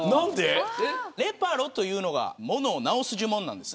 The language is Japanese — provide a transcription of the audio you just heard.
レパロというのが物を直す呪文なんです。